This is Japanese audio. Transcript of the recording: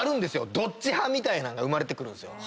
どっち派？みたいなんが生まれてくるんですよ。